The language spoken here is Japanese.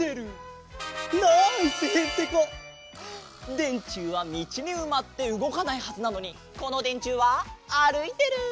でんちゅうはみちにうまってうごかないはずなのにこのでんちゅうはあるいてる！